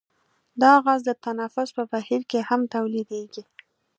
دا غاز د تنفس په بهیر کې هم تولیدیږي.